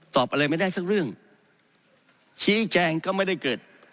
ตอบอะไรไม่ได้สักเรื่องชี้แจงก็ไม่ได้เกิด